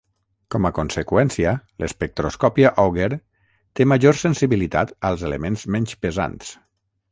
Com a conseqüència, l'espectroscòpia Auger té major sensibilitat als elements menys pesants.